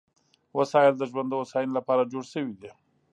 وسایل د ژوند د هوساینې لپاره جوړ شوي دي.